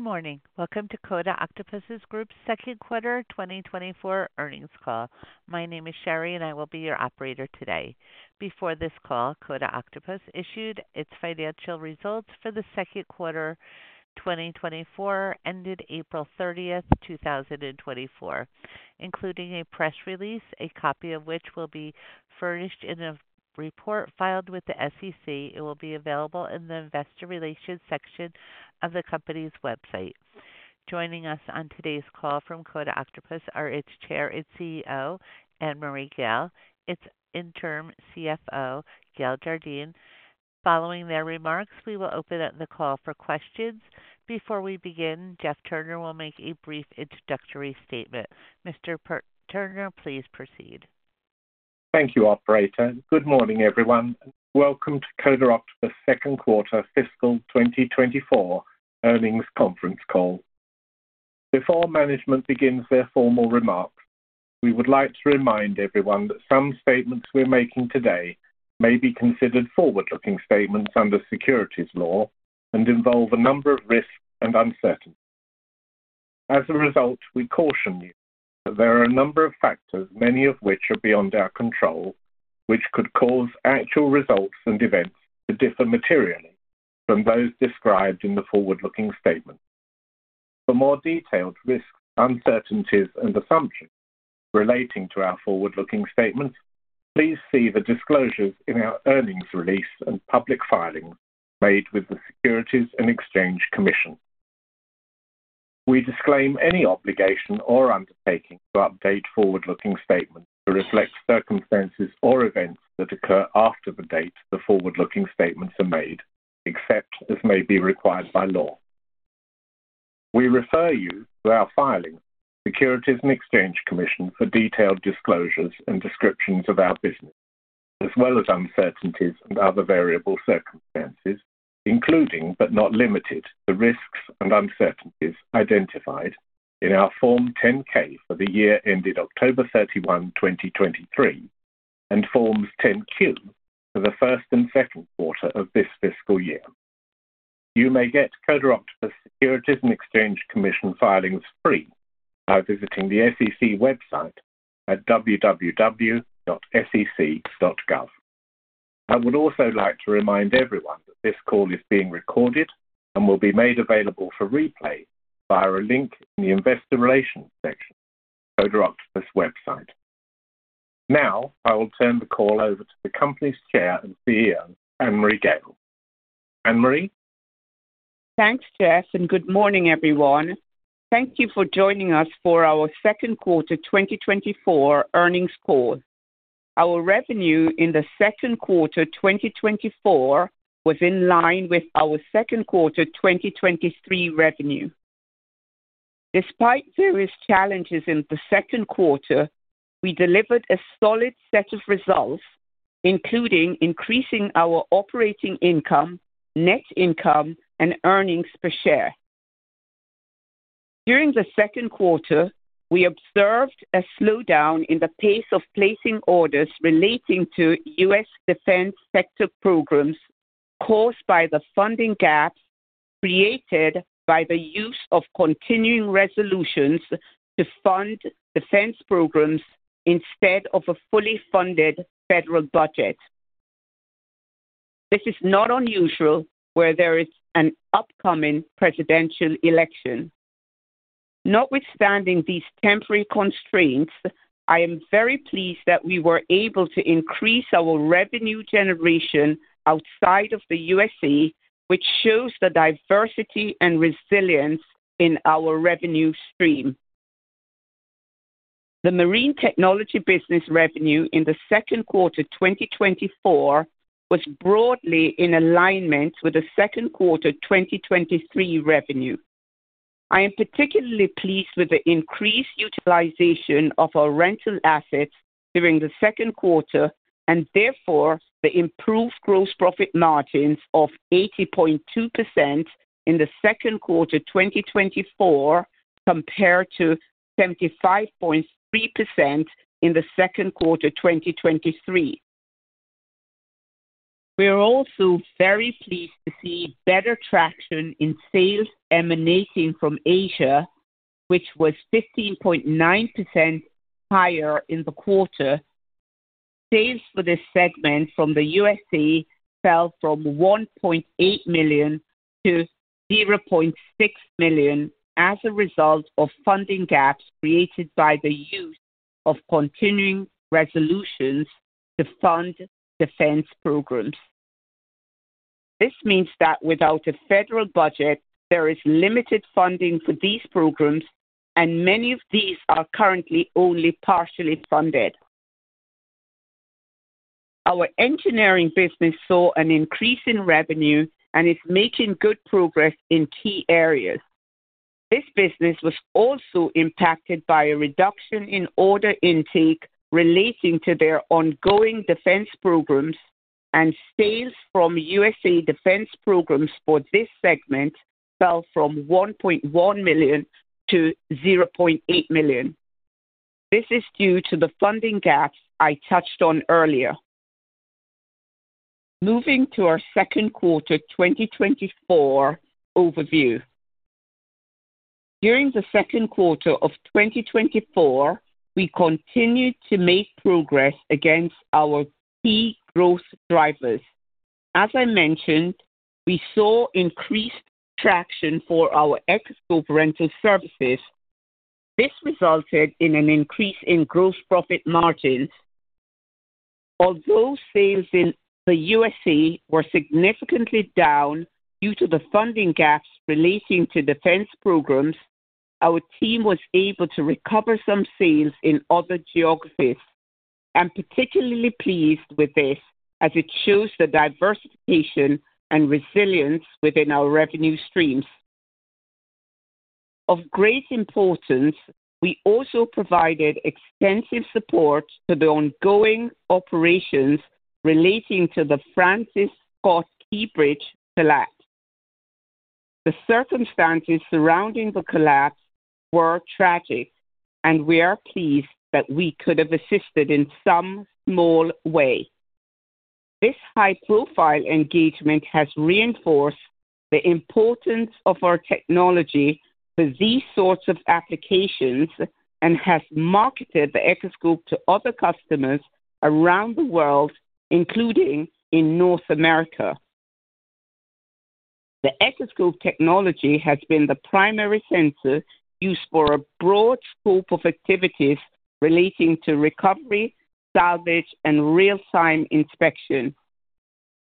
Good morning. Welcome to Coda Octopus Group's Second Quarter 2024 Earnings Call. My name is Sherry, and I will be your operator today. Before this call, Coda Octopus issued its financial results for the second quarter, 2024, ended April 30th, 2024, including a press release, a copy of which will be furnished in a report filed with the SEC. It will be available in the Investor Relations section of the company's website. Joining us on today's call from Coda Octopus are its Chair and CEO, Annmarie Gayle, its interim CFO, Gail Jardine. Following their remarks, we will open up the call for questions. Before we begin, Jeff Turner will make a brief introductory statement. Mr. Turner, please proceed. Thank you, operator. Good morning, everyone. Welcome to Coda Octopus second quarter fiscal 2024 earnings conference call. Before management begins their formal remarks, we would like to remind everyone that some statements we're making today may be considered forward-looking statements under securities law and involve a number of risks and uncertainties. As a result, we caution you that there are a number of factors, many of which are beyond our control, which could cause actual results and events to differ materially from those described in the forward-looking statement. For more detailed risks, uncertainties and assumptions relating to our forward-looking statement, please see the disclosures in our earnings release and public filings made with the Securities and Exchange Commission. We disclaim any obligation or undertaking to update forward-looking statements to reflect circumstances or events that occur after the date the forward-looking statements are made, except as may be required by law. We refer you to our filings, Securities and Exchange Commission, for detailed disclosures and descriptions of our business, as well as uncertainties and other variable circumstances, including but not limited, the risks and uncertainties identified in our Form 10-K for the year ended October 31, 2023, and Forms 10-Q for the first and second quarter of this fiscal year. You may get Coda Octopus Securities and Exchange Commission filings free by visiting the SEC website at www.sec.gov. I would also like to remind everyone that this call is being recorded and will be made available for replay via a link in the Investor Relations section, Coda Octopus website. Now, I will turn the call over to the company's Chair and CEO, Annmarie Gayle. Annmarie? Thanks, Jeff, and good morning, everyone. Thank you for joining us for our second quarter 2024 earnings call. Our revenue in the second quarter, 2024, was in line with our second quarter, 2023 revenue. Despite various challenges in the second quarter, we delivered a solid set of results, including increasing our operating income, net income and earnings per share. During the second quarter, we observed a slowdown in the pace of placing orders relating to U.S. defense sector programs caused by the funding gap created by the use of continuing resolutions to fund defense programs instead of a fully funded federal budget. This is not unusual where there is an upcoming presidential election. Notwithstanding these temporary constraints, I am very pleased that we were able to increase our revenue generation outside of the USA, which shows the diversity and resilience in our revenue stream. The marine technology business revenue in the second quarter, 2024, was broadly in alignment with the second quarter, 2023 revenue. I am particularly pleased with the increased utilization of our rental assets during the second quarter and therefore the improved gross profit margins of 80.2% in the second quarter, 2024, compared to 75.3% in the second quarter, 2023. We are also very pleased to see better traction in sales emanating from Asia, which was 15.9% higher in the quarter. Sales for this segment from the USA fell from $1.8 million to $0.6 million as a result of funding gaps created by the use of continuing resolutions to fund defense programs. This means that without a federal budget, there is limited funding for these programs, and many of these are currently only partially funded. Our engineering business saw an increase in revenue and is making good progress in key areas. This business was also impacted by a reduction in order intake relating to their ongoing defense programs and sales from USA defense programs for this segment fell from $1.1 million to $0.8 million. This is due to the funding gap I touched on earlier. Moving to our second quarter 2024 overview. During the second quarter of 2024, we continued to make progress against our key growth drivers. As I mentioned, we saw increased traction for our Echoscope rental services. This resulted in an increase in gross profit margins. Although sales in the USA were significantly down due to the funding gaps relating to defense programs, our team was able to recover some sales in other geographies. I'm particularly pleased with this, as it shows the diversification and resilience within our revenue streams. Of great importance, we also provided extensive support to the ongoing operations relating to the Francis Scott Key Bridge collapse. The circumstances surrounding the collapse were tragic, and we are pleased that we could have assisted in some small way. This high-profile engagement has reinforced the importance of our technology for these sorts of applications and has marketed the Echoscope to other customers around the world, including in North America. The Echoscope technology has been the primary sensor used for a broad scope of activities relating to recovery, salvage, and real-time inspection.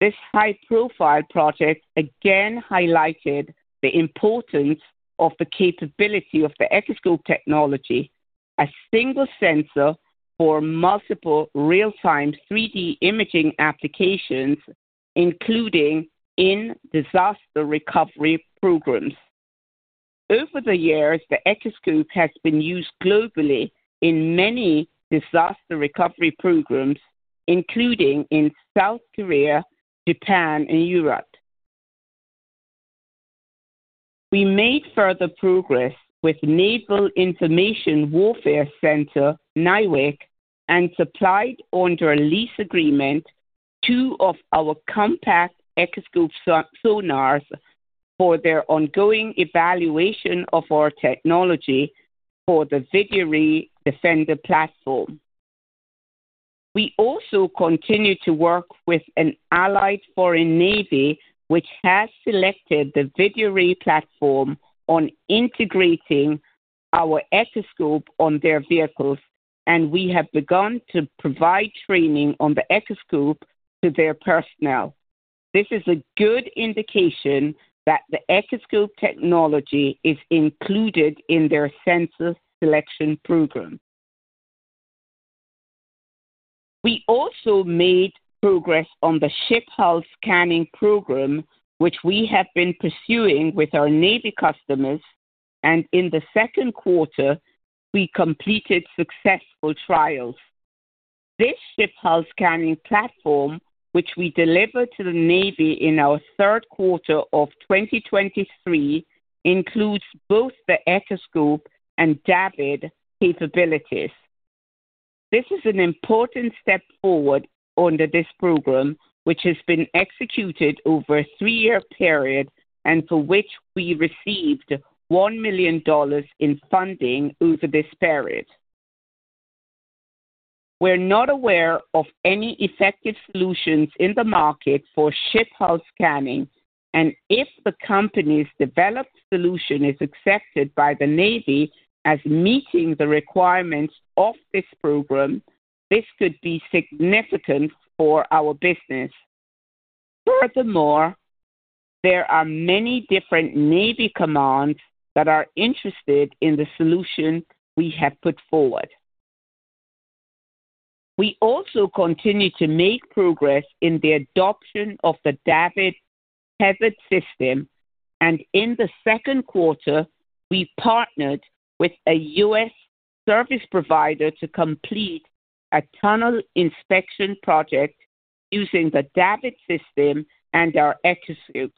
This high-profile project again highlighted the importance of the capability of the Echoscope technology, a single sensor for multiple Real-Time 3D imaging applications, including in disaster recovery programs. Over the years, the Echoscope has been used globally in many disaster recovery programs, including in South Korea, Japan, and Europe. We made further progress with Naval Information Warfare Center, NIWC, and supplied under a lease agreement, two of our compact Echoscope sonars for their ongoing evaluation of our technology for the VideoRay Defender platform. We also continue to work with an allied foreign navy, which has selected the VideoRay platform on integrating our Echoscope on their vehicles, and we have begun to provide training on the Echoscope to their personnel. This is a good indication that the Echoscope technology is included in their sensor selection program. We also made progress on the ship hull scanning program, which we have been pursuing with our Navy customers, and in the second quarter, we completed successful trials. This ship hull scanning platform, which we delivered to the Navy in our third quarter of 2023, includes both the Echoscope and DAVD capabilities. This is an important step forward under this program, which has been executed over a three-year period and for which we received $1 million in funding over this period. We're not aware of any effective solutions in the market for Ship Hull Scanning, and if the company's developed solution is accepted by the Navy as meeting the requirements of this program, this could be significant for our business. Furthermore, there are many different Navy commands that are interested in the solution we have put forward. We also continue to make progress in the adoption of the DAVD tethered system, and in the second quarter, we partnered with a U.S. service provider to complete a tunnel inspection project using the DAVD system and our Echoscope.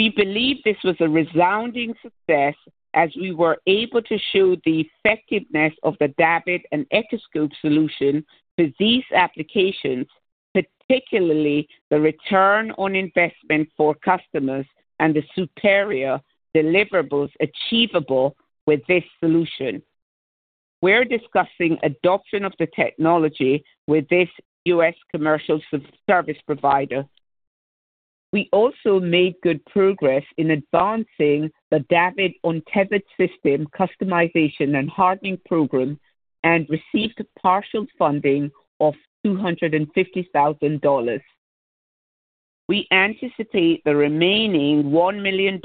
We believe this was a resounding success as we were able to show the effectiveness of the DAVD and Echoscope solution to these applications, particularly the return on investment for customers and the superior deliverables achievable with this solution. We're discussing adoption of the technology with this U.S. commercial service provider. We also made good progress in advancing the DAVD tethered system customization and hardening program and received partial funding of $250,000. We anticipate the remaining $1 million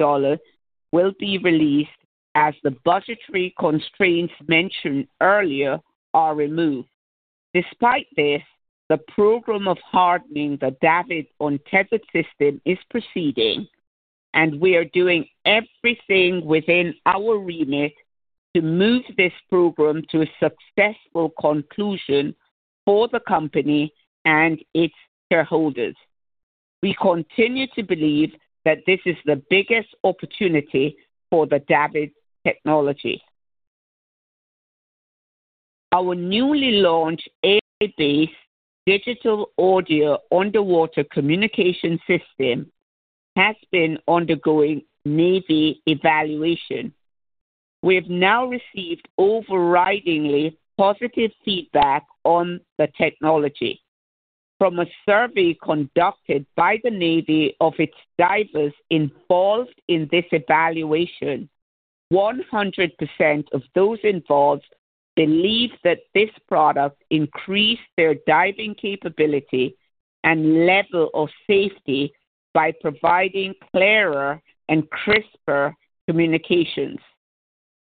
will be released as the budgetary constraints mentioned earlier are removed. Despite this, the program of hardening the DAVD untethered ystem is proceeding, and we are doing everything within our remit to move this program to a successful conclusion for the company and its shareholders. We continue to believe that this is the biggest opportunity for the DAVD technology. Our newly launched AI-based digital audio underwater communication system has been undergoing Navy evaluation. We have now received overridingly positive feedback on the technology. From a survey conducted by the Navy of its divers involved in this evaluation, 100% of those involved believe that this product increased their diving capability and level of safety by providing clearer and crisper communications.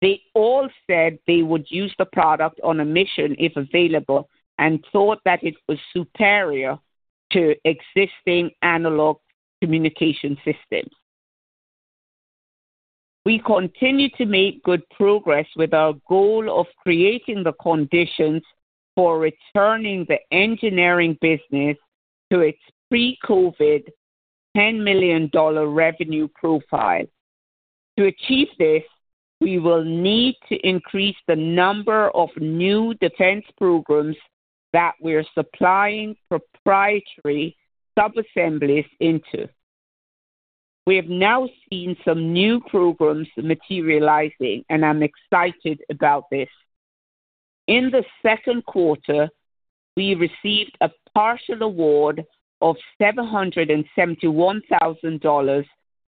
They all said they would use the product on a mission, if available, and thought that it was superior to existing analog communication systems. We continue to make good progress with our goal of creating the conditions for returning the engineering business to its pre-COVID $10 million revenue profile. To achieve this, we will need to increase the number of new defense programs that we're supplying proprietary subassemblies into. We have now seen some new programs materializing, and I'm excited about this. In the second quarter, we received a partial award of $771,000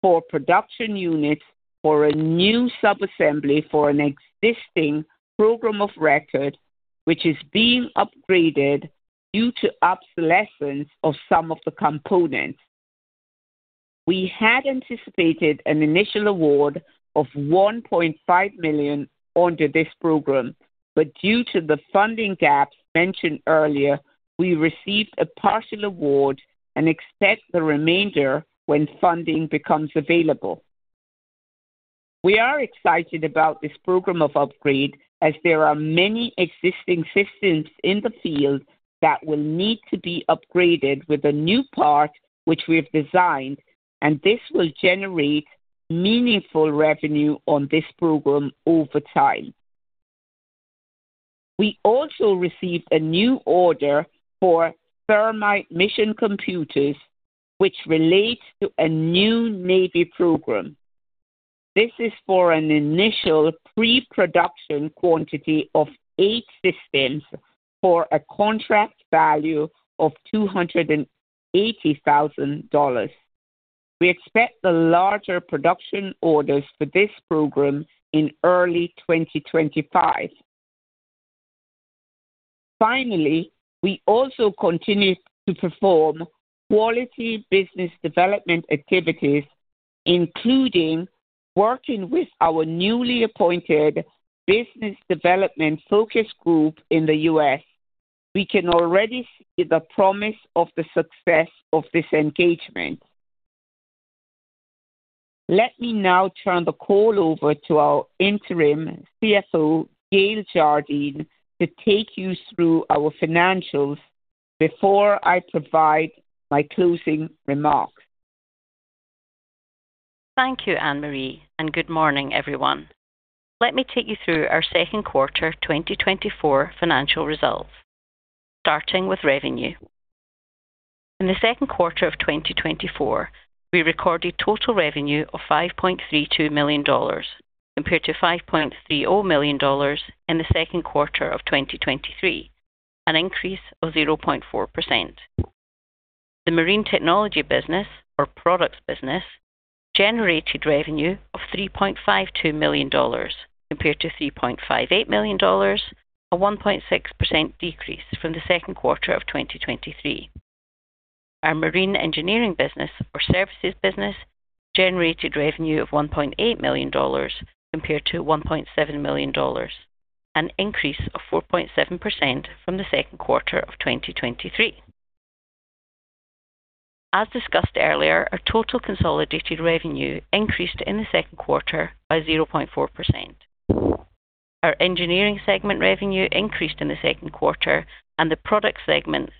for production units for a new subassembly for an existing program of record, which is being upgraded due to obsolescence of some of the components. We had anticipated an initial award of $1.5 million under this program, but due to the funding gaps mentioned earlier, we received a partial award and expect the remainder when funding becomes available. We are excited about this program of upgrade as there are many existing systems in the field that will need to be upgraded with a new part, which we have designed, and this will generate meaningful revenue on this program over time. We also received a new order for Thermite mission computers, which relates to a new Navy program. This is for an initial pre-production quantity of eight systems for a contract value of $280,000. We expect the larger production orders for this program in early 2025. Finally, we also continue to perform quality business development activities, including working with our newly appointed business development focus group in the U.S. We can already see the promise of the success of this engagement. Let me now turn the call over to our Interim CFO, Gail Jardine, to take you through our financials before I provide my closing remarks. Thank you, Annmarie, and good morning, everyone. Let me take you through our second quarter 2024 financial results, starting with revenue. In the second quarter of 2024, we recorded total revenue of $5.32 million, compared to $5.3 million in the second quarter of 2023, an increase of 0.4%. The marine technology business, or products business, generated revenue of $3.52 million compared to $3.58 million, a 1.6% decrease from the second quarter of 2023. Our marine engineering business, or services business, generated revenue of $1.8 million compared to $1.7 million, an increase of 4.7% from the second quarter of 2023. As discussed earlier, our total consolidated revenue increased in the second quarter by 0.4%. Our engineering segment revenue increased in the second quarter, and the product segment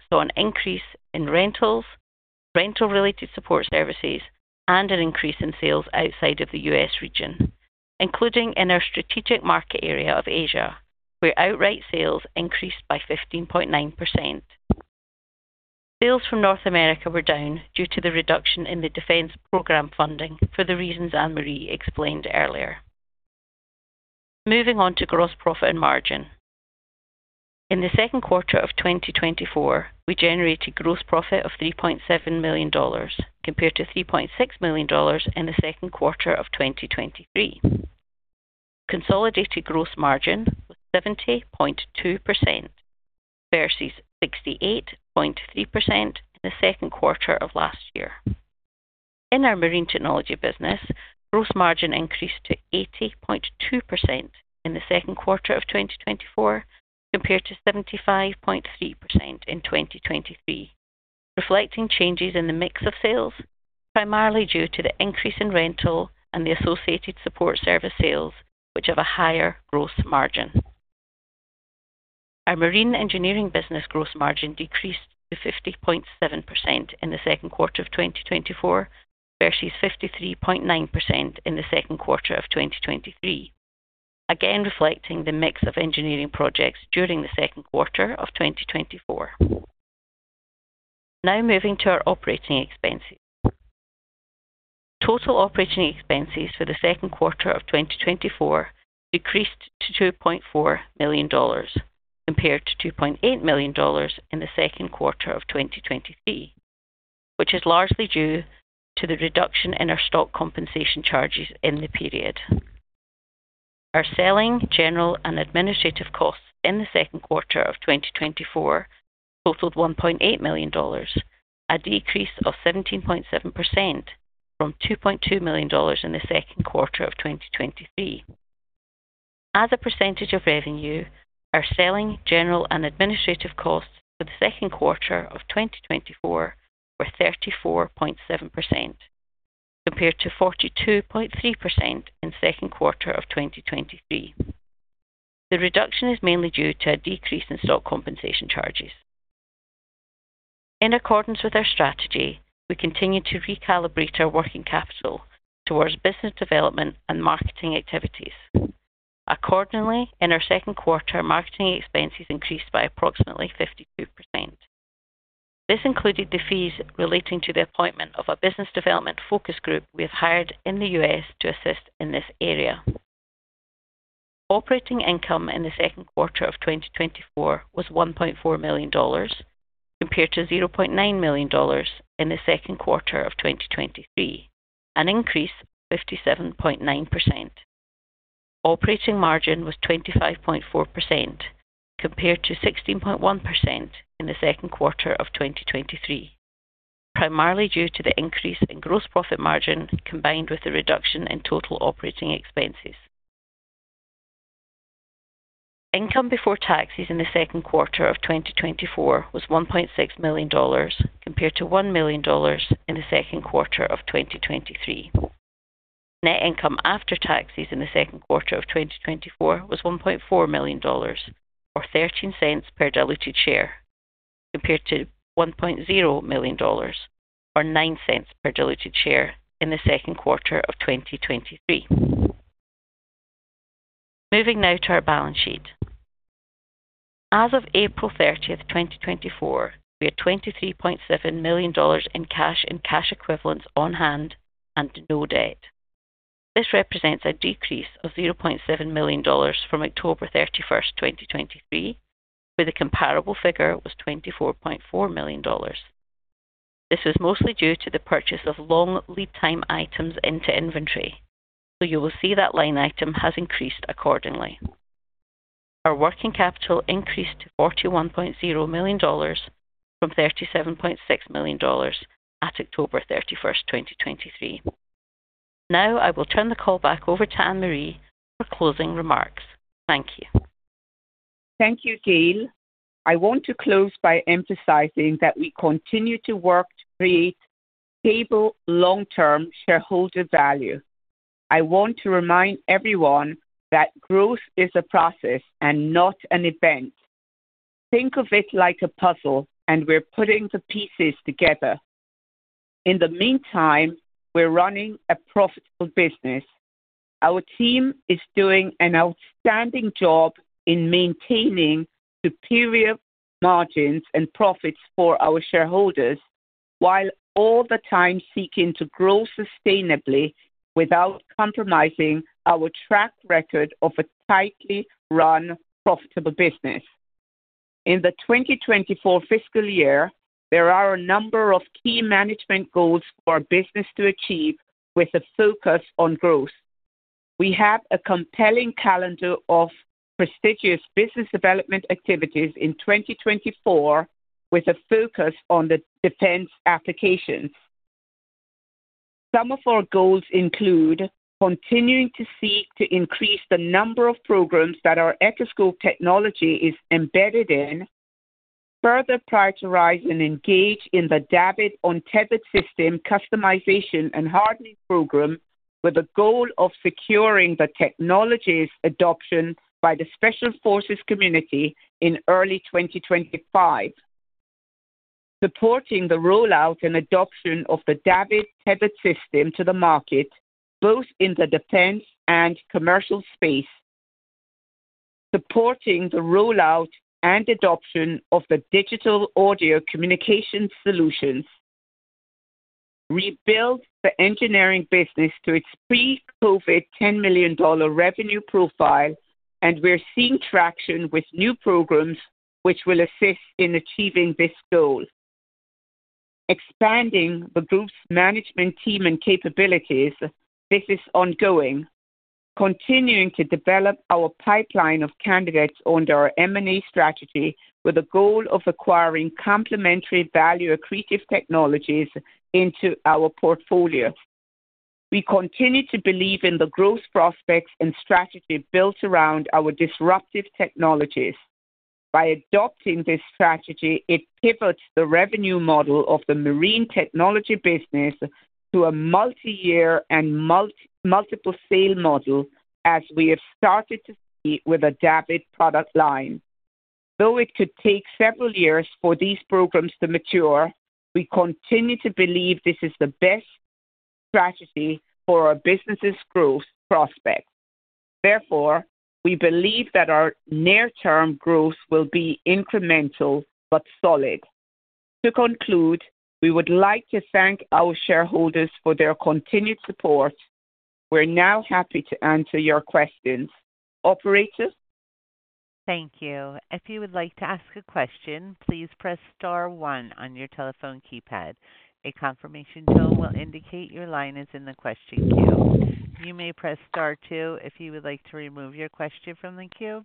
saw an increase in rentals, rental-related support services, and an increase in sales outside of the U.S. region, including in our strategic market area of Asia, where outright sales increased by 15.9%. Sales from North America were down due to the reduction in the defense program funding for the reasons Annmarie explained earlier. Moving on to gross profit and margin. In the second quarter of 2024, we generated gross profit of $3.7 million compared to $3.6 million in the second quarter of 2023. Consolidated gross margin was 70.2% versus 68.3% in the second quarter of last year. In our marine technology business, gross margin increased to 80.2% in the second quarter of 2024, compared to 75.3% in 2023, reflecting changes in the mix of sales, primarily due to the increase in rental and the associated support service sales, which have a higher gross margin. Our marine engineering business gross margin decreased to 50.7% in the second quarter of 2024, versus 53.9% in the second quarter of 2023, again, reflecting the mix of engineering projects during the second quarter of 2024. Now moving to our operating expenses. Total operating expenses for the second quarter of 2024 decreased to $2.4 million, compared to $2.8 million in the second quarter of 2023, which is largely due to the reduction in our stock compensation charges in the period. Our selling, general, and administrative costs in the second quarter of 2024 totaled $1.8 million, a decrease of 17.7% from $2.2 million in the second quarter of 2023. As a percentage of revenue, our selling, general, and administrative costs for the second quarter of 2024 were 34.7%, compared to 42.3% in second quarter of 2023. The reduction is mainly due to a decrease in stock compensation charges. In accordance with our strategy, we continue to recalibrate our working capital towards business development and marketing activities. Accordingly, in our second quarter, marketing expenses increased by approximately 52%. This included the fees relating to the appointment of a business development focus group we have hired in the U.S. to assist in this area. Operating income in the second quarter of 2024 was $1.4 million, compared to $0.9 million in the second quarter of 2023, an increase of 57.9%. Operating margin was 25.4%, compared to 16.1% in the second quarter of 2023, primarily due to the increase in gross profit margin, combined with the reduction in total operating expenses. Income before taxes in the second quarter of 2024 was $1.6 million, compared to $1 million in the second quarter of 2023. Net income after taxes in the second quarter of 2024 was $1.4 million, or $0.13 per diluted share, compared to $1.0 million or $0.09 per diluted share in the second quarter of 2023. Moving now to our balance sheet. As of April 30th, 2024, we had $23.7 million in cash and cash equivalents on hand and no debt. This represents a decrease of $0.7 million from October 31st, 2023, where the comparable figure was $24.4 million. This was mostly due to the purchase of long lead time items into inventory, so you will see that line item has increased accordingly. Our working capital increased to $41.0 million from $37.6 million at October 31st, 2023. Now, I will turn the call back over to Annmarie for closing remarks. Thank you. Thank you, Gail. I want to close by emphasizing that we continue to work to create stable, long-term shareholder value. I want to remind everyone that growth is a process and not an event. Think of it like a puzzle, and we're putting the pieces together. In the meantime, we're running a profitable business. Our team is doing an outstanding job in maintaining superior margins and profits for our shareholders, while all the time seeking to grow sustainably without compromising our track record of a tightly run, profitable business. In the 2024 fiscal year, there are a number of key management goals for our business to achieve with a focus on growth. We have a compelling calendar of prestigious business development activities in 2024, with a focus on the defense applications. Some of our goals include continuing to seek to increase the number of programs that our Echoscope technology is embedded in, further prioritize and engage in the DAVD untethered system customization and hardening program, with the goal of securing the technology's adoption by the Special Forces community in early 2025. Supporting the rollout and adoption DAVD tethered system to the market, both in the defense and commercial space. Supporting the rollout and adoption of the digital audio communication solutions. Rebuild the engineering business to its pre-COVID $10 million revenue profile, and we're seeing traction with new programs which will assist in achieving this goal. Expanding the group's management team and capabilities. This is ongoing. Continuing to develop our pipeline of candidates under our M&A strategy with the goal of acquiring complementary, value-accretive technologies into our portfolio. We continue to believe in the growth prospects and strategy built around our disruptive technologies. By adopting this strategy, it pivots the revenue model of the marine technology business to a multi-year and mult-multiple sale model, as we have started to see with the DAVD product line. Though it could take several years for these programs to mature, we continue to believe this is the best strategy for our business' growth prospects. Therefore, we believe that our near-term growth will be incremental, but solid. To conclude, we would like to thank our shareholders for their continued support. We're now happy to answer your questions. Operator? Thank you. If you would like to ask a question, please press star one on your telephone keypad. A confirmation tone will indicate your line is in the question queue. You may press star two if you would like to remove your question from the queue.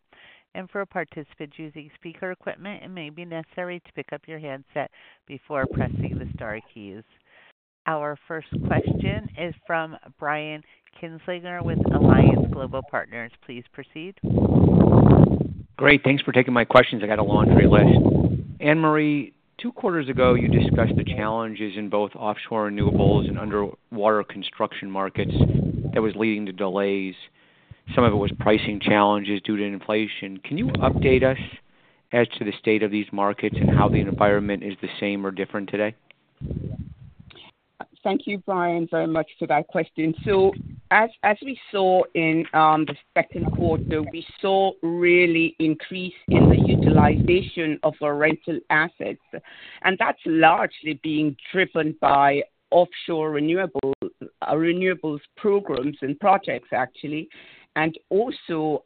And for participants using speaker equipment, it may be necessary to pick up your handset before pressing the star keys. Our first question is from Brian Kinstlinger with Alliance Global Partners. Please proceed. Great, thanks for taking my questions. I got a laundry list. Annmarie, two quarters ago, you discussed the challenges in both offshore renewables and underwater construction markets that was leading to delays. Some of it was pricing challenges due to inflation. Can you update us as to the state of these markets and how the environment is the same or different today? Thank you, Brian, very much for that question. So as we saw in the second quarter, we saw really increase in the utilization of our rental assets, and that's largely being driven by offshore renewables programs and projects, actually, and also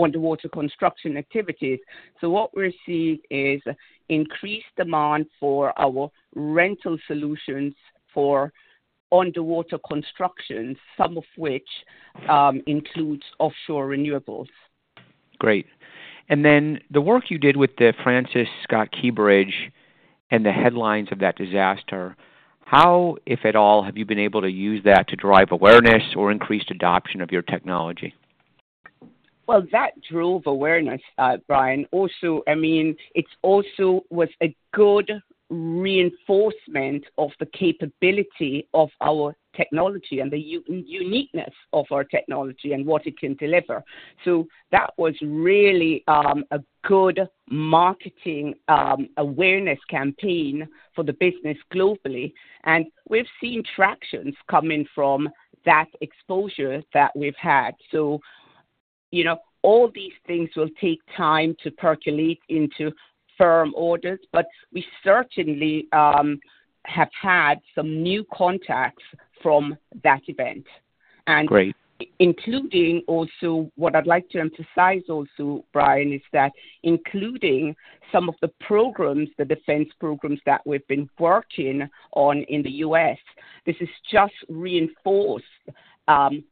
underwater construction activities. So what we're seeing is increased demand for our rental solutions for underwater construction, some of which includes offshore renewables. Great. And then the work you did with the Francis Scott Key Bridge and the headlines of that disaster, how, if at all, have you been able to use that to drive awareness or increased adoption of your technology? Well, that drove awareness, Brian. Also, I mean, it also was a good reinforcement of the capability of our technology and the uniqueness of our technology and what it can deliver. So that was really a good marketing awareness campaign for the business globally, and we've seen traction coming from that exposure that we've had. So, you know, all these things will take time to percolate into firm orders, but we certainly have had some new contacts from that event. Great. Including also, what I'd like to emphasize also, Brian, is that including some of the programs, the defense programs that we've been working on in the U.S., this is just reinforced,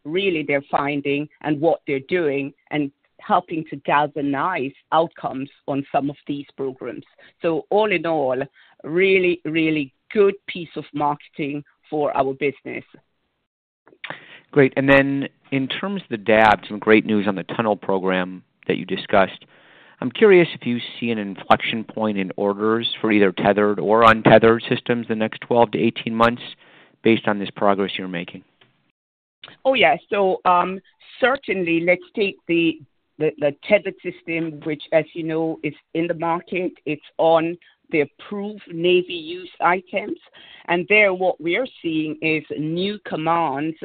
really their finding and what they're doing and helping to galvanize outcomes on some of these programs. So all in all, really, really good piece of marketing for our business. Great. And then in terms of the DAVD, some great news on the tunnel program that you discussed. I'm curious if you see an inflection point in orders for either tethered or untethered systems the next 12-18 months based on this progress you're making? Oh, yeah. So, certainly let's take the tethered system, which, as you know, is in the market. It's on the approved Navy use items. And there, what we are seeing is new commands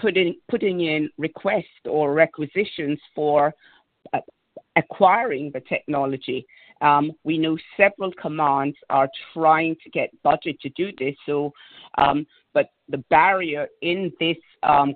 putting in requests or requisitions for acquiring the technology. We know several commands are trying to get budget to do this, so, but the barrier in this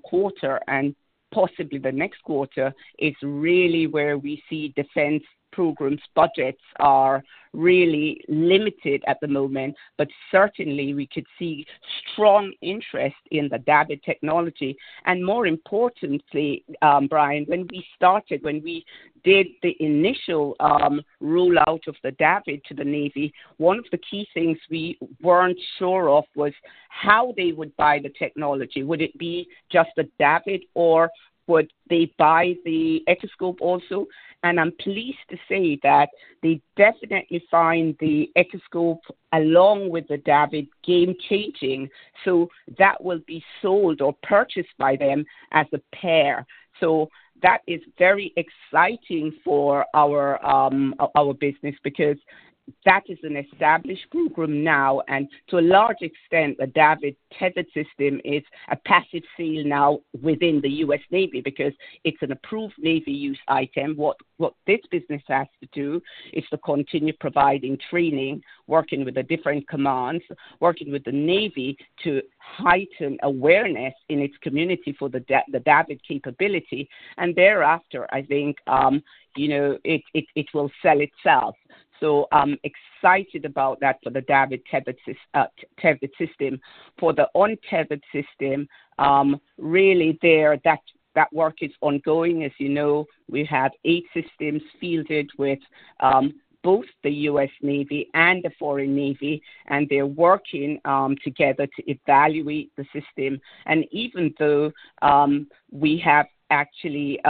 quarter and possibly the next quarter is really where we see defense programs budgets are really limited at the moment. But certainly we could see strong interest in the DAVD technology. And more importantly, Brian, when we started, when we did the initial rollout of the DAVD to the Navy, one of the key things we weren't sure of was how they would buy the technology. Would it be just the DAVD, or would they buy the Echoscope also? And I'm pleased to say that they definitely find the Echoscope, along with the DAVD, game changing, so that will be sold or purchased by them as a pair. So that is very exciting for our, our business, because that is an established program now, and to a large extent, the DAVD tethered system is a passive sale now within the U.S. Navy because it's an approved Navy use item. What this business has to do is to continue providing training, working with the different commands, working with the Navy to heighten awareness in its community for the DAVD capability. And thereafter, I think, you know, it will sell itself. So I'm excited about that for the DAVD tethered system. For the untethered system, really there, that work is ongoing. As you know, we have eight systems fielded with both the U.S. Navy and the foreign navy, and they're working together to evaluate the system. And even though we have actually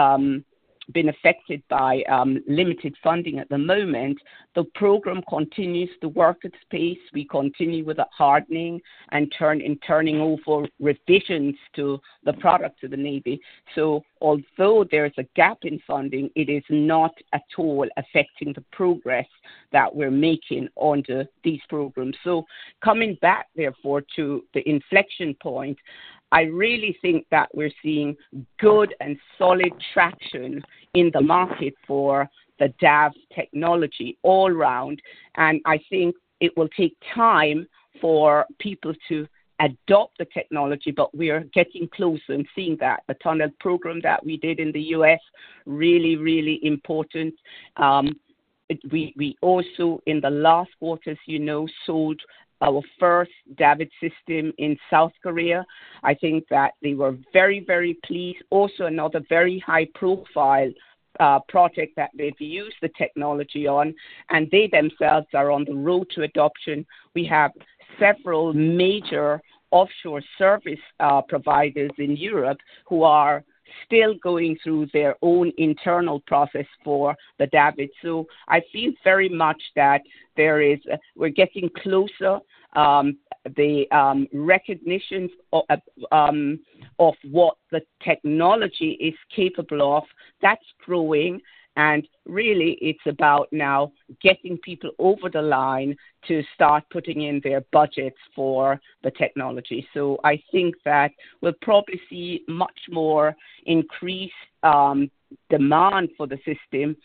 been affected by limited funding at the moment. The program continues to work at pace. We continue with the hardening and turn, and turning over revisions to the product to the navy. So although there is a gap in funding, it is not at all affecting the progress that we're making under these programs. So coming back therefore to the inflection point, I really think that we're seeing good and solid traction in the market for the DAV technology all around, and I think it will take time for people to adopt the technology, but we are getting closer and seeing that. The tunnel program that we did in the U.S., really, really important. We also, in the last quarter, as you know, sold our first DAVD system in South Korea. I think that they were very, very pleased. Also, another very high-profile project that they've used the technology on, and they themselves are on the road to adoption. We have several major offshore service providers in Europe who are still going through their own internal process for the DAVD. So I feel very much that there is a, we're getting closer. The recognitions of what the technology is capable of, that's growing, and really it's about now getting people over the line to start putting in their budgets for the technology. So I think that we'll probably see much more increased demand for the system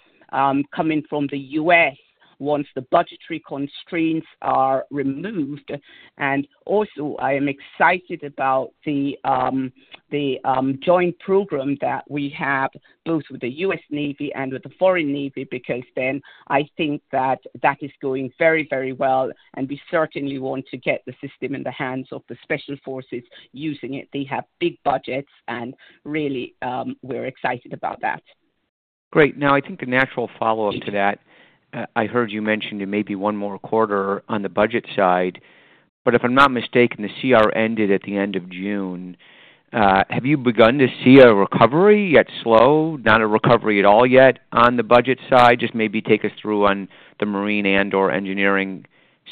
coming from the U.S. once the budgetary constraints are removed. And also, I am excited about the joint program that we have, both with the U.S. Navy and with the foreign navy, because then I think that that is going very, very well, and we certainly want to get the system in the hands of the Special Forces using it. They have big budgets, and really, we're excited about that. Great. Now, I think a natural follow-up to that, I heard you mention there may be one more quarter on the budget side, but if I'm not mistaken, the CR ended at the end of June. Have you begun to see a recovery, yet slow, not a recovery at all yet, on the budget side? Just maybe take us through on the marine and/or engineering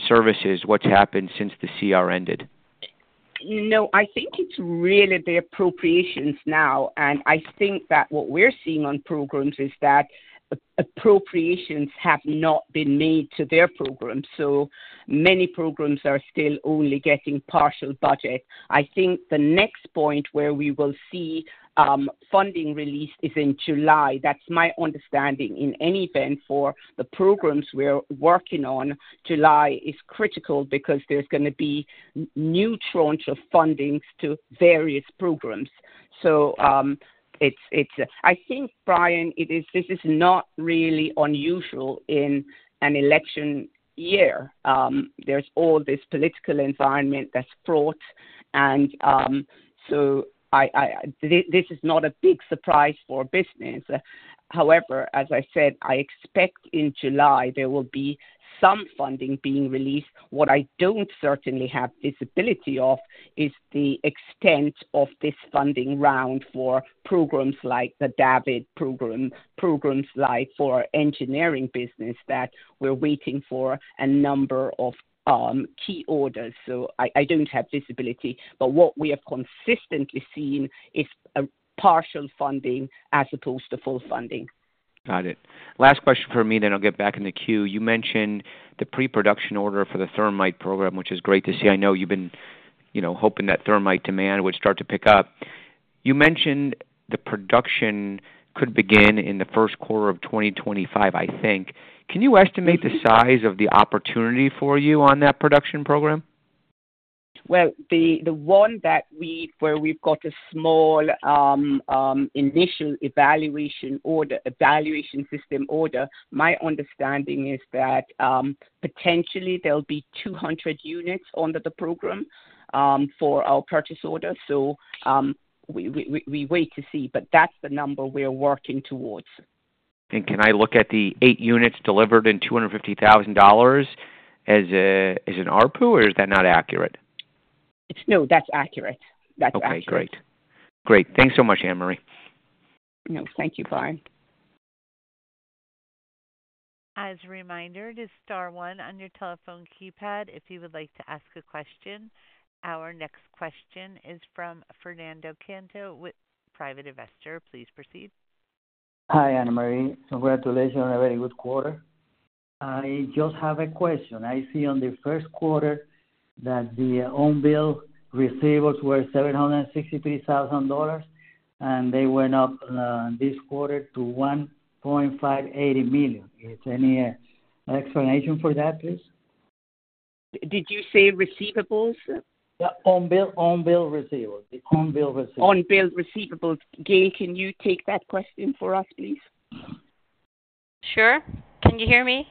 services, what's happened since the CR ended? You know, I think it's really the appropriations now, and I think that what we're seeing on programs is that appropriations have not been made to their programs, so many programs are still only getting partial budget. I think the next point where we will see funding released is in July. That's my understanding. In any event, for the programs we're working on, July is critical because there's gonna be new tranche of fundings to various programs. I think, Brian, it is, this is not really unusual in an election year. There's all this political environment that's fraught and, so I, this is not a big surprise for business. However, as I said, I expect in July there will be some funding being released. What I don't certainly have visibility of is the extent of this funding round for programs like the DAVD program, programs like for engineering business, that we're waiting for a number of key orders. So I don't have visibility, but what we have consistently seen is a partial funding as opposed to full funding. Got it. Last question for me, then I'll get back in the queue. You mentioned the pre-production order for the Thermite program, which is great to see. I know you've been, you know, hoping that Thermite demand would start to pick up. You mentioned the production could begin in the first quarter of 2025, I think. Can you estimate the size of the opportunity for you on that production program? Well, the one where we've got a small initial evaluation order, evaluation system order. My understanding is that potentially there'll be 200 units under the program for our purchase order. So, we wait to see, but that's the number we're working towards. Can I look at the eight units delivered and $250,000 as an ARPU, or is that not accurate? No, that's accurate. That's accurate. Okay, great. Great. Thanks so much, Annmarie. No, thank you, Brian. As a reminder, it is star one on your telephone keypad if you would like to ask a question. Our next question is from Fernando Canto with private investor. Please proceed. Hi, Annmarie. Congratulations on a very good quarter. I just have a question. I see on the first quarter that the unbilled receivables were $763,000, and they went up, this quarter to $1.58 million. Is there any, explanation for that, please? Did you say receivables? Yeah, unbilled, unbilled receivables. Unbilled receivables. Unbilled receivables. Gail, can you take that question for us, please? Sure. Can you hear me?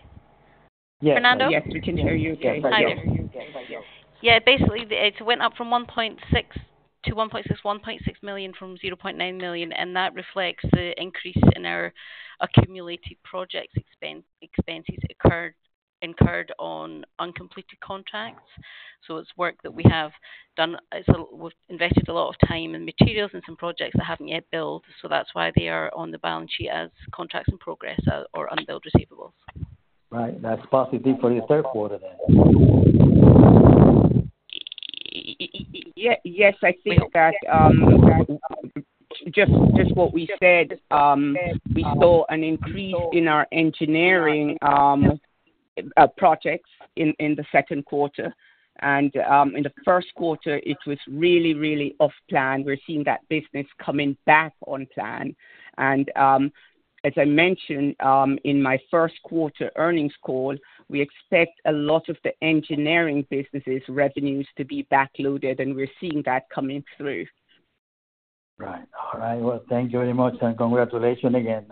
Fernando? Yes, we can hear you, Gail. Hi there. Yes, I hear you. Yeah, basically, it went up from $0.9 million to $1.6 million, and that reflects the increase in our accumulated projects expenses incurred on uncompleted contracts. So it's work that we have done. It's, we've invested a lot of time and materials in some projects that haven't yet billed, so that's why they are on the balance sheet as contracts in progress or unbilled receivables. Right. That's positive for the third quarter, then? Yes, I think just what we said, we saw an increase in our engineering projects in the second quarter. And, in the first quarter, it was really, really off plan. We're seeing that business coming back on plan. As I mentioned, in my first quarter earnings call, we expect a lot of the engineering businesses revenues to be backloaded, and we're seeing that coming through. Right. All right. Well, thank you very much, and congratulations again,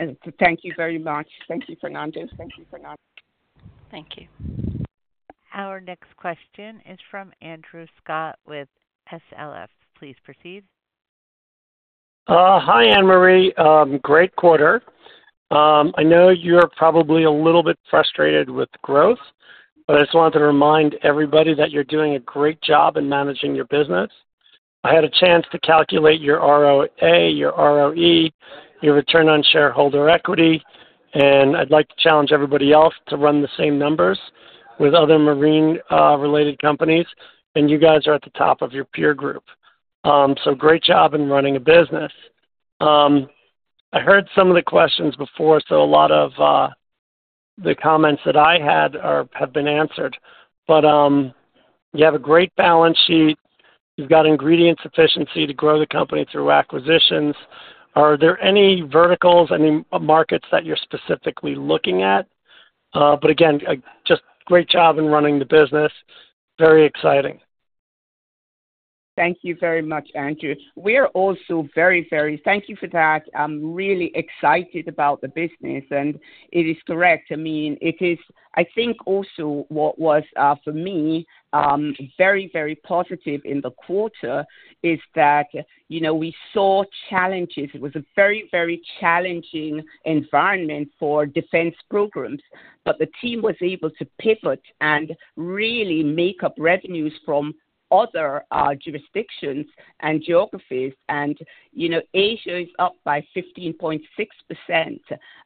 Annmarie. Thank you very much. Thank you, Fernando. Thank you. Our next question is from Andrew Scott with SLF. Please proceed. Hi, Annmarie. Great quarter. I know you're probably a little bit frustrated with growth, but I just wanted to remind everybody that you're doing a great job in managing your business. I had a chance to calculate your ROA, your ROE, your return on shareholder equity, and I'd like to challenge everybody else to run the same numbers with other marine related companies, and you guys are at the top of your peer group. So great job in running a business. I heard some of the questions before, so a lot of the comments that I had have been answered, but you have a great balance sheet. You've got inherent sufficiency to grow the company through acquisitions. Are there any verticals, any markets that you're specifically looking at? But again, just great job in running the business. Very exciting. Thank you very much, Andrew. We're also very, very—thank you for that. I'm really excited about the business, and it is correct. I think also what was for me very, very positive in the quarter is that, you know, we saw challenges. It was a very, very challenging environment for defense programs, but the team was able to pivot and really make up revenues from other jurisdictions and geographies. And, you know, Asia is up by 15.6%.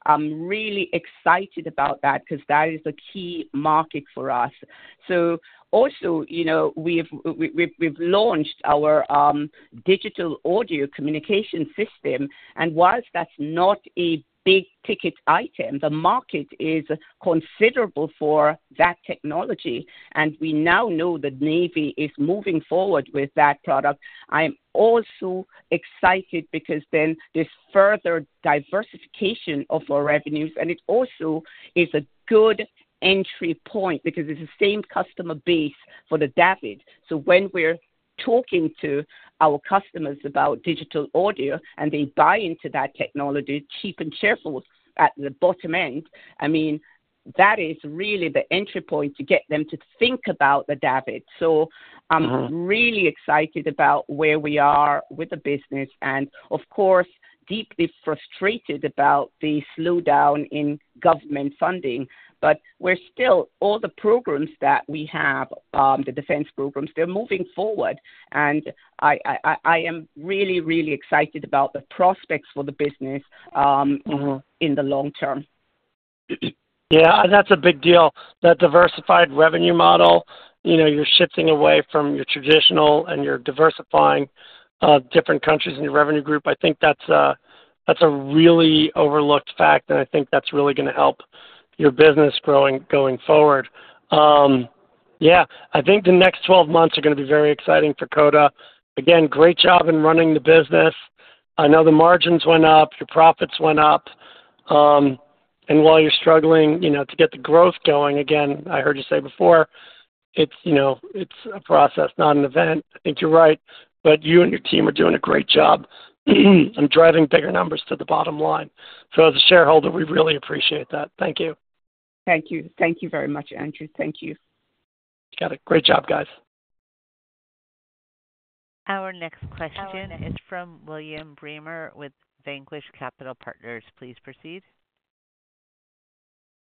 I'm really excited about that because that is a key market for us. So also, you know, we've launched our digital audio communication system, and while that's not a big-ticket item, the market is considerable for that technology, and we now know that Navy is moving forward with that product. I am also excited because then this further diversification of our revenues, and it also is a good entry point because it's the same customer base for the DAVD. So when we're talking to our customers about digital audio, and they buy into that technology, cheap and cheerful at the bottom end, I mean, that is really the entry point to get them to think about the DAVD. So I'm really excited about where we are with the business and, of course, deeply frustrated about the slowdown in government funding. But we're still, all the programs that we have, the defense programs, they're moving forward, and I am really, really excited about the prospects for the business, in the long term. Yeah, that's a big deal, that diversified revenue model. You know, you're shifting away from your traditional, and you're diversifying different countries in your revenue group. I think that's a really overlooked fact, and I think that's really gonna help your business growing, going forward. Yeah, I think the next 12 months are gonna be very exciting for Coda. Again, great job in running the business. I know the margins went up, your profits went up. And while you're struggling, you know, to get the growth going, again, I heard you say before, it's, you know, it's a process, not an event. I think you're right, but you and your team are doing a great job, and driving bigger numbers to the bottom line. So as a shareholder, we really appreciate that. Thank you. Thank you. Thank you very much, Andrew. Thank you. Got it. Great job, guys. Our next question is from William Bremer with Vanquish Capital Partners. Please proceed.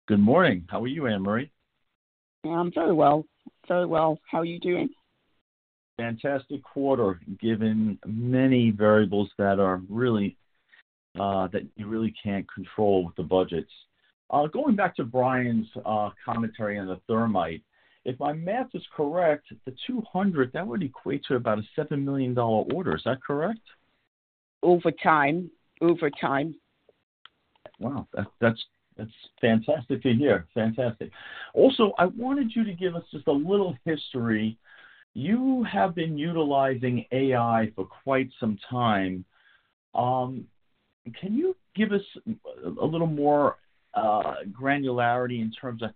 Good morning. How are you, Annmarie? I'm very well. Very well. How are you doing? Fantastic quarter, given many variables that are really, that you really can't control with the budgets. Going back to Brian's commentary on the Thermite. If my math is correct, the 200, that would equate to about a $7 million order. Is that correct? Over time. Over time. Wow! That's fantastic to hear. Fantastic. Also, I wanted you to give us just a little history. You have been utilizing AI for quite some time. Can you give us a little more, granularity in terms of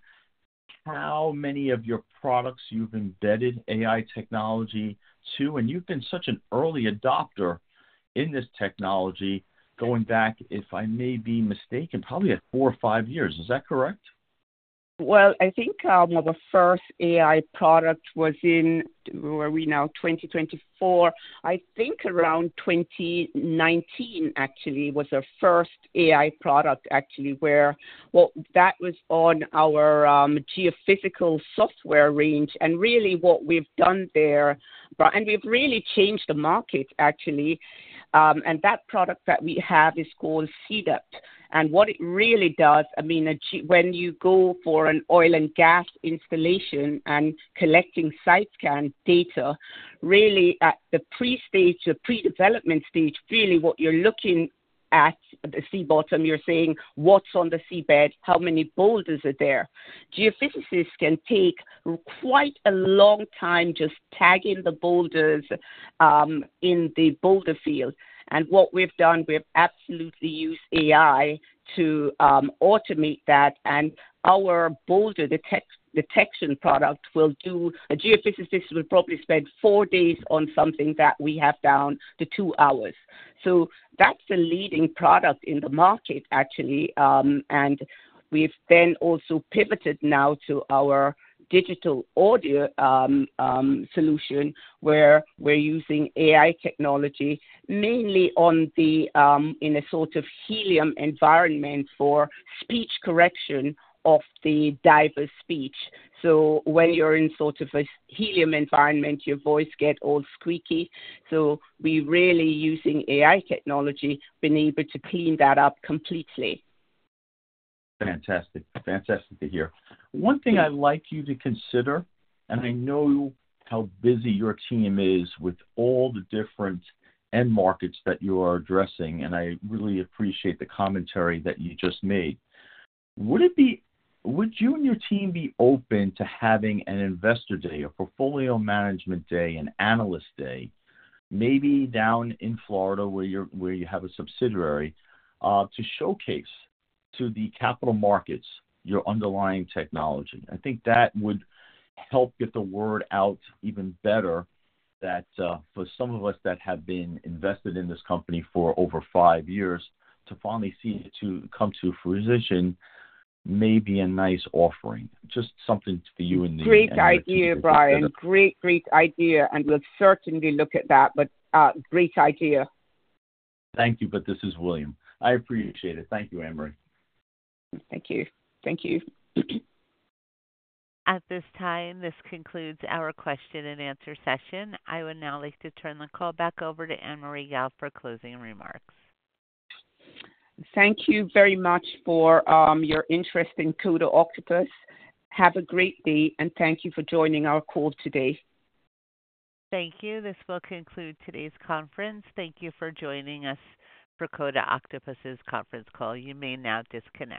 how many of your products you've embedded AI technology to? And you've been such an early adopter in this technology, going back, if I may be mistaken, probably at four or five years. Is that correct? Well, I think, our first AI product was in, where are we now? 2024. I think around 2019, actually, was our first AI product, actually, where. Well, that was on our, geophysical software range, and really what we've done there, and we've really changed the market, actually. And that product that we have is called SEADP. And what it really does, I mean, when you go for an oil and gas installation and collecting site scan data, really at the pre-stage or pre-development stage, really what you're looking at, the sea bottom, you're saying, "What's on the seabed? How many boulders are there?" Geophysicists can take quite a long time just tagging the boulders, in the boulder field. And what we've done, we've absolutely used AI to, automate that, and our boulder detection product will do. A geophysicist will probably spend four days on something that we have down to two hours. So that's the leading product in the market, actually. We've then also pivoted now to our digital audio solution, where we're using AI technology, mainly in a sort of helium environment for speech correction of the diver's speech. So when you're in sort of a helium environment, your voice get all squeaky, so we're really using AI technology, being able to clean that up completely. Fantastic. Fantastic to hear. One thing I'd like you to consider, and I know how busy your team is with all the different end markets that you are addressing, and I really appreciate the commentary that you just made. Would you and your team be open to having an Investor Day, a Portfolio Management Day, an Analyst Day, maybe down in Florida, where you're, where you have a subsidiary, to showcase to the capital markets, your underlying technology? I think that would help get the word out even better, that, for some of us that have been invested in this company for over five years, to finally see it to come to fruition, may be a nice offering. Just something for you and the- Great idea, Brian. Great, great idea, and we'll certainly look at that, but great idea. Thank you, but this is William. I appreciate it. Thank you, Annmarie. Thank you. Thank you. At this time, this concludes our question and answer session. I would now like to turn the call back over to Annmarie Gayle for closing remarks. Thank you very much for your interest in Coda Octopus. Have a great day, and thank you for joining our call today. Thank you. This will conclude today's conference. Thank you for joining us for Coda Octopus's conference call. You may now disconnect.